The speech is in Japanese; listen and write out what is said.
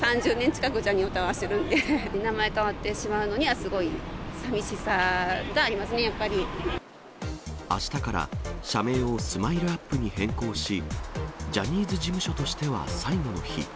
３０年近くジャニオタはしてるんで、名前変わってしまうのにはすごいさみしさがありますね、あしたから社名をスマイルアップに変更し、ジャニーズ事務所としては最後の日。